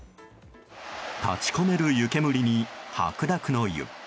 立ち込める湯煙に白濁の湯。